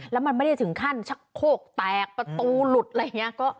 แล้วมันไม่ได้ถึงขั้นชักโคกแตกประตูหลุดอะไรอย่างนี้